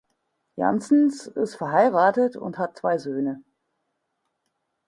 Janssens ist verheiratet und hat zwei Söhne.